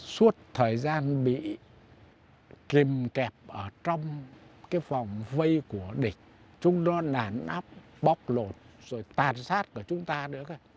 suốt thời gian bị kìm kẹp ở trong cái phòng vây của địch chúng nó nản áp bóc lột rồi tàn sát của chúng ta nữa